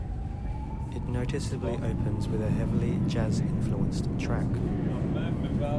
It noticeably opens with a heavily jazz-influenced track.